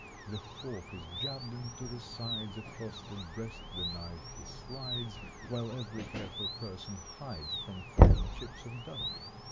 The fork is jabbed into the sides Across the breast the knife he slides While every careful person hides From flying chips of duck.